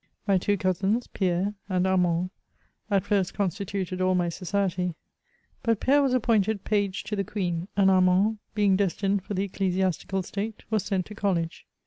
My two cousins, Pierre and Armand, at first constituted all my society, but Pierre was appointed page to the Queen, and Armand, being destined for the ecclesi astical state, was sent to college.